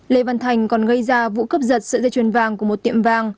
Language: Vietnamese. lê văn thành còn gây ra vụ cướp giật sợi dây chuyền vàng của một tiệm vàng